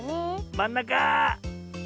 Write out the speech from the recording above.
まんなか！